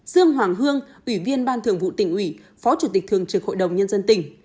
dương hoàng hương ủy viên ban thường vụ tỉnh ủy phó chủ tịch thường trực hội đồng nhân dân tỉnh